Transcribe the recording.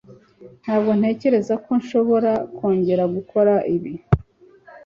Ntabwo ntekereza ko nshobora kongera gukora ibi.